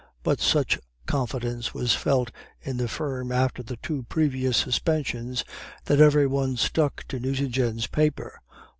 But such confidence was felt in the firm after the two previous suspensions, that every one stuck to Nucingen's paper.